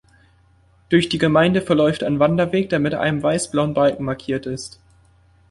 Durch die Gemeinde verläuft ein Wanderweg, der mit einem weiß-blauen Balken markiert ist.